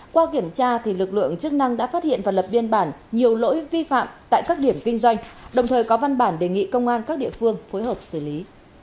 qua kiểm tra lực lượng chức năng đã phát hiện và lập biên bản nhiều lỗi vi phạm tại các điểm kinh doanh đồng thời có văn bản đề nghị công an các địa phương phối hợp xử lý